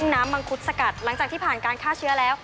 น้ำมังคุดสกัดหลังจากที่ผ่านการฆ่าเชื้อแล้ว